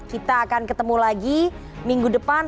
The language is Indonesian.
kita akan ketemu lagi minggu depan